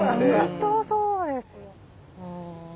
本当そうですよ。